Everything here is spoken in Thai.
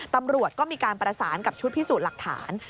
ตำรวจก็มีการประสานกับชุดพิสูจน์หลักฐาน